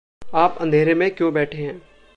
आप अंधेरे में क्यों बैठे हैं?